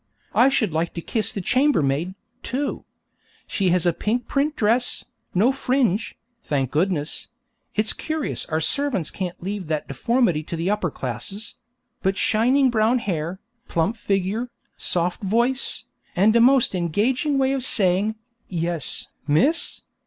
I should like to kiss the chambermaid, too. She has a pink print dress, no fringe, thank goodness (it's curious our servants can't leave that deformity to the upper classes), but shining brown hair, plump figure, soft voice, and a most engaging way of saying 'Yes, miss?